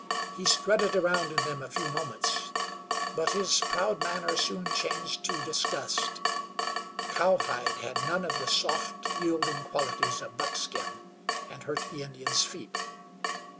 He strutted around in them a few moments, but his proud manner soon changed to disgust. Cowhide had none of the soft, yielding qualities of buckskin, and hurt the Indian's feet.